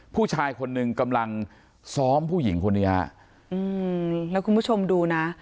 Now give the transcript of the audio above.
ผู้ชายคนหนึ่งกำลังซ้อมผู้หญิงคนนี้ฮะอืมแล้วคุณผู้ชมดูนะ